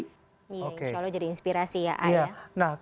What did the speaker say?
insya allah jadi inspirasi ya a'ag